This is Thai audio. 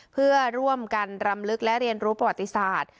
เพื่อร่วมกันรำลึกและเรียนรู้ประวัติศาสตร์